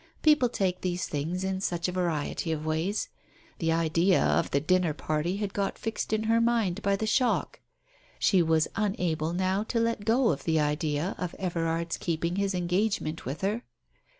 People take these things in such a variety of ways. The idea of the dinner party had got fixed in her mind by the shock ; she was unable now to let go the idea of Everard's keeping his engagement with her.